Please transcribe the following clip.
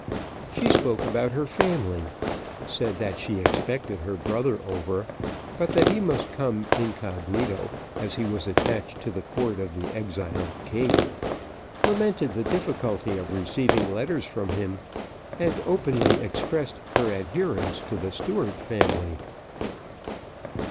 She spoke about her family; said that she expected her brother over, but that he must come incog., as he was attached to the court of the exiled king, lamented the difficulty of receiving letters from him, and openly expressed her adherence to the Stuart family.